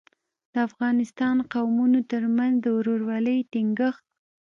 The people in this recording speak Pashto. د افغانستان قومونو ترمنځ د ورورۍ ټینګښت.